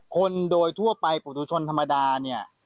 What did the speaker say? คนโดยทั่วไปปลูกตุชนธรรมดาเนี่ย